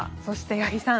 八木さん